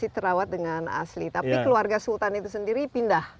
tapi keluarga sultan itu sendiri pindah